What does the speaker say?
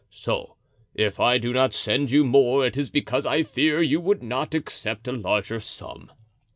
So, if I do not send you more it is because I fear you would not accept a larger sum.